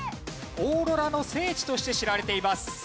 オーロラの聖地として知られています。